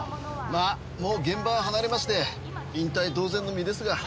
まあもう現場は離れまして引退同然の身ですが。